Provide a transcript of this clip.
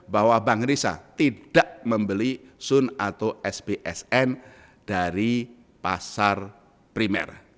bahwa bank risa tidak membeli sun atau sbsn dari pasar primer